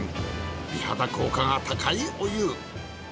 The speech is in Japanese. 美肌効果が高いお湯。